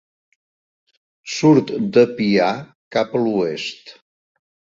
Surt de Pià cap a l'oest.